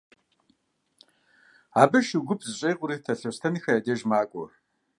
Абы шу гуп зэщӀегъури Талъостэнхэ я деж макӀуэ.